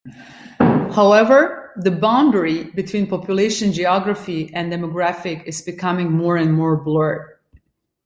However, the boundary between population geography and demographic is becoming more and more blurred.